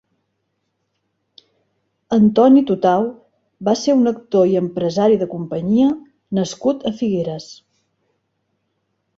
Antoni Tutau va ser un actor i empresari de companyia nascut a Figueres.